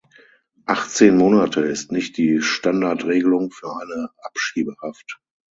Achtzehn Monate ist nicht die Standardregelung für eine Abschiebehaft.